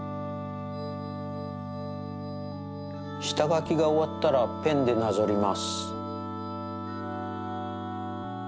したがきがおわったらペンでなぞります。